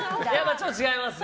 ちょっと違いますね。